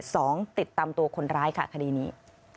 สองติดตามตัวคนร้ายค่ะคดีนี้